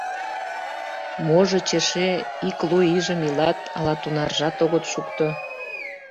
Можыч, эше ик лу ийжым илат, ала тунаржат огыт шукто.